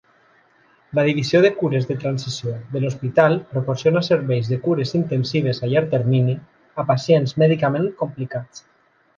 La divisió de Cures de Transició de l'hospital proporciona serveis de cures intensives a llarg termini a pacients mèdicament complicats.